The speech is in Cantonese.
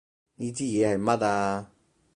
呢支嘢係乜啊？